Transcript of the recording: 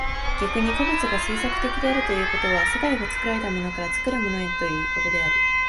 逆に個物が製作的であるということは、世界が作られたものから作るものへということである。